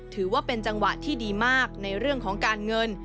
ถือว่าเป็นจังหวะที่ดีมากในเรื่องของการเงิน